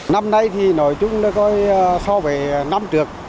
năm nay thì nói chung là coi so với năm trước